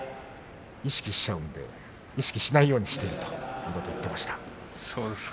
意識しちゃうんで意識しないようにしているということを言っていました。